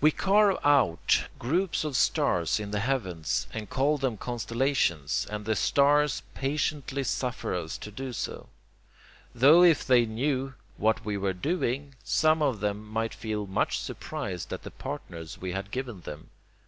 We carve out groups of stars in the heavens, and call them constellations, and the stars patiently suffer us to do so tho if they knew what we were doing, some of them might feel much surprised at the partners we had given them.